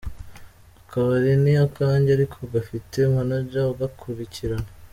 Akabari ni akanjye ariko gafite manager ugakurikirana.